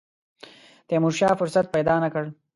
تیمورشاه فرصت پیدا نه کړ.